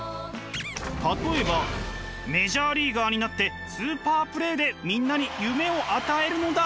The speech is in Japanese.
例えばメジャーリーガーになってスーパープレーでみんなに夢を与えるのだ！